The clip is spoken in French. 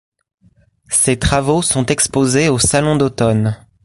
Ses travaux sont exposés au Salon d’automne.